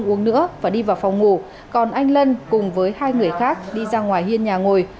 trước đó trần văn lân đi vào phòng ngủ còn anh lân cùng với hai người khác đi ra ngoài hiên nhà ngồi